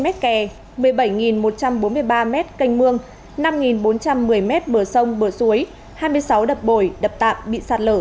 một năm trăm bốn mươi mét kè một mươi bảy một trăm bốn mươi ba mét canh mương năm bốn trăm một mươi mét bờ sông bờ suối hai mươi sáu đập bồi đập tạm bị sạt lở